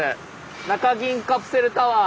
中銀カプセルタワー。